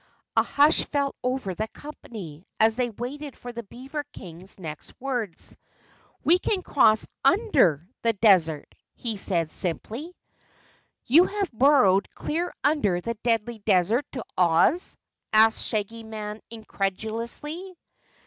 A hush fell over the company as they waited for the beaver King's next words. "We can cross under the desert," he said simply. "You have burrowed clear under the Deadly Desert to Oz?" asked the Shaggy Man incredulously.